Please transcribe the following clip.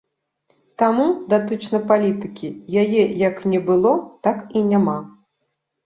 Таму, датычна палітыкі, яе як не было, так і няма.